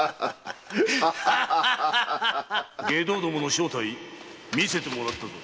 ・外道どもの正体見せてもらったぞ！